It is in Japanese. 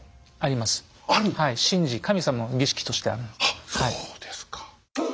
あっそうですか！